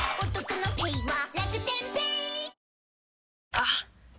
あっ！